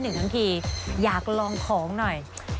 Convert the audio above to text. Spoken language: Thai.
และนั่นล่ะค่ะอาจจะเป็นเทคนิคเล็กน้อยนะครับ